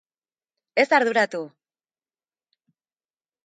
Ez arduratu!